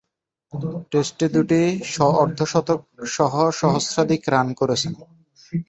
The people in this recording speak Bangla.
টেস্টে দু’টি অর্ধ-শতকসহ সহস্রাধিক রান করেছেন।